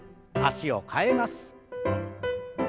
脚を替えます。